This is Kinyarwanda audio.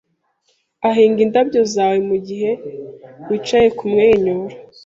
Ahinga indabyo zawe mugihe wicaye kumwenyura